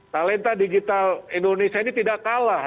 talenta digital indonesia ini tidak kalah